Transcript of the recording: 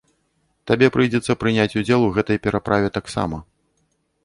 Табе прыйдзецца прыняць удзел і ў гэтай пераправе таксама.